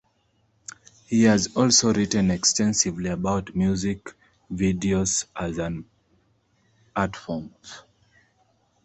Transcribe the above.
He has also written extensively about music videos as an artform.